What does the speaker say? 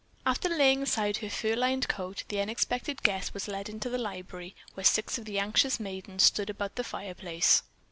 After laying aside her fur lined coat, the unexpected guest was led into the library, where six anxious maidens stood about the fireplace.